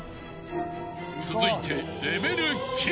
［続いて］